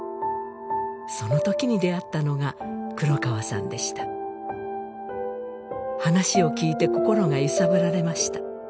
その時に出会ったのが黒川さんでした話を聞いて心が揺さぶられました